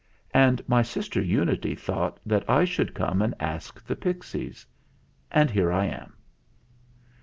And my sister Unity thought that I should come and ask the pixies. And here I am."